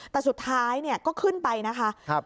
แต่สุดท้ายก็ขึ้นไปนะคะ